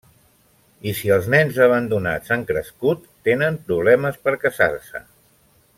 I si els nens abandonats han crescut, tenen problemes per casar-se.